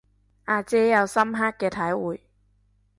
阿姐有深刻嘅體會